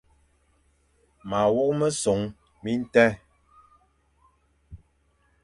Ma wok mesong bi tèn.